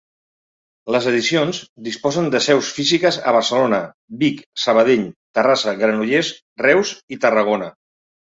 Les edicions disposen de seus físiques a Barcelona, Vic, Sabadell, Terrassa, Granollers, Reus i Tarragona.